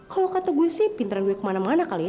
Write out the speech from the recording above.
kalau kata gue sih pinteran gue kemana mana kali ya